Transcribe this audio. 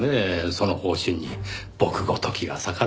その方針に僕ごときが逆らう事など。